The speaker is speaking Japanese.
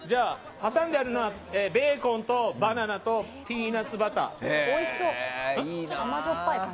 挟んであるのはベーコンとバナナとピーナツバター。